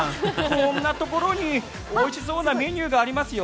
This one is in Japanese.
こんなところにおいしそうなメニューがありますよ。